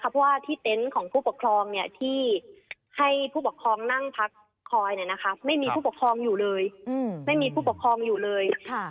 เพราะว่าที่เต้นของผู้ปกครองเนี่ยที่ให้ผู้ปกครองนั่งพักคอยเนี่ยนะคะไม่มีผู้ปกครองอยู่เลย